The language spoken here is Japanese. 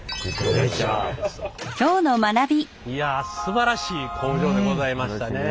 いやすばらしい工場でございましたね。